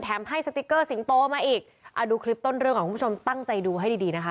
ให้สติ๊กเกอร์สิงโตมาอีกเอาดูคลิปต้นเรื่องของคุณผู้ชมตั้งใจดูให้ดีดีนะคะ